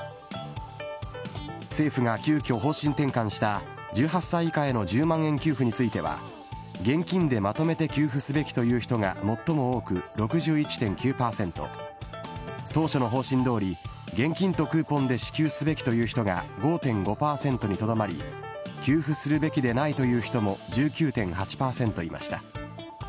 政府が急きょ、方針転換した１８歳以下への１０万円給付については、現金でまとめて給付すべきという人が最も多く６１．９％、当初の方針どおり、現金とクーポンで支給すべきという人が５．５％にとどまり、給付するべきでないという人も１９．８％いました。